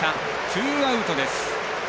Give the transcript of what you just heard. ツーアウトです。